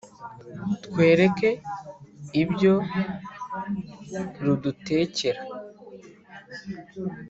turwereka ibyo rudutekera,